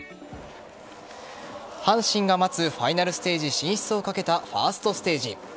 阪神が待つファイナルステージ進出をかけたファーストステージ。